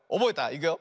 いくよ。